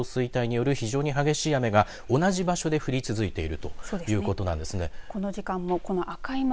線状降水帯による非常に激しい雨が同じ場所で降り続いているということなんですね。